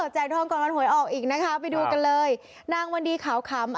ทองก่อนวันหวยออกอีกนะคะไปดูกันเลยนางวันดีขาวขำ